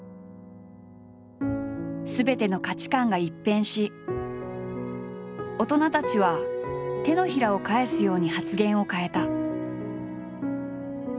すべての価値観が一変し大人たちは手のひらを返すように発言を変えた。